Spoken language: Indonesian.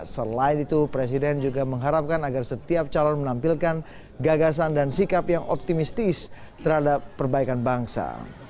selain itu presiden juga mengharapkan agar setiap calon menampilkan gagasan dan sikap yang optimistis terhadap perbaikan bangsa